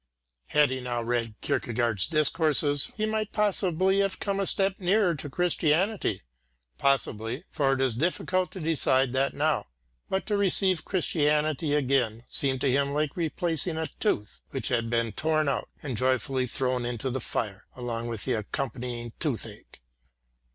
Had he now read Kierkegaard's discourses, he might possibly have come a step nearer to Christianity possibly for it is difficult to decide that now, but to receive Christianity again seemed to him like replacing a tooth which had been torn out, and joyfully thrown into the fire, along with the accompanying toothache.